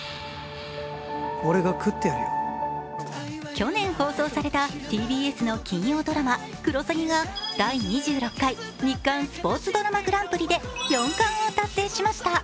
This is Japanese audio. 去年放送されたＴＢＳの金曜ドラマ「クロサギ」が第２６回日刊スポーツドラマグランプリで４冠を達成しました。